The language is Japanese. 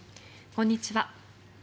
こんにちは。